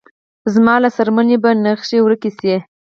زما له څرمنې به نخښې ورکې شې